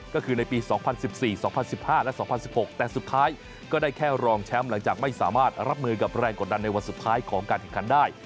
ก็คือในปี๒๐๑๔๒๐๑๕และ๒๐๑๖แต่สุดท้ายก็ได้แค่รองแชมป์หลังจากไม่สามารถรับมือกับแรงกดดันในวันสุดท้ายของการแข่งขันได้